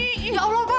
oh minta tolong buka